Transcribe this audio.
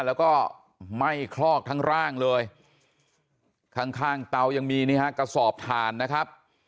แล้วก็ไหม้คลอกทั้งร่างเลยข้างข้างเตายังมีนี่ฮะกระสอบถ่านนะครับ